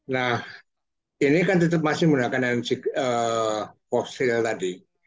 nah ini kan tetap masih menggunakan energi fosil tadi